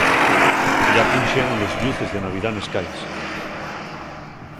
Yá punxeron les lluces de Navidá nes cais.